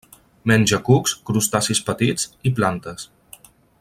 Menja cucs, crustacis petits i plantes.